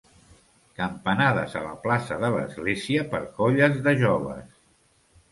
Campanades a la plaça de l'església per colles de joves.